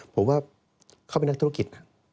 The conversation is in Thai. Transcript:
ผมว่าเขาเป็นนักธุรกิจ